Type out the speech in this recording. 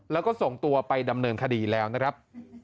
แล้วก็ส่งตัวไปดำเนินคดีแล้วนะครับ